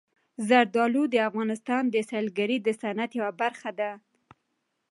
زردالو د افغانستان د سیلګرۍ د صنعت یوه برخه ده.